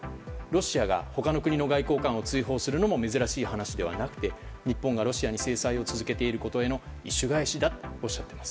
ロシアが他の国の外交官を追放するのも珍しい話ではなくて日本がロシアに制裁を続けていることへの意趣返しだと。